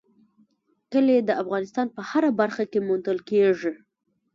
کلي د افغانستان په هره برخه کې موندل کېږي.